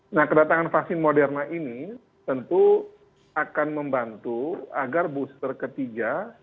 nah kedatangan vaksin moderna ini tentu akan membantu agar booster ketiga